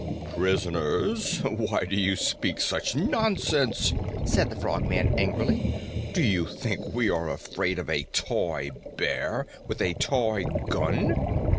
"Prisoners! Why do you speak such nonsense?" the Frogman angrily. "Do you think we are afraid of a toy bear with a toy gun?"